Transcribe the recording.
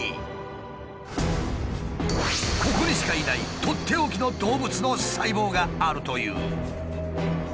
ここにしかないとっておきの動物の細胞があるという。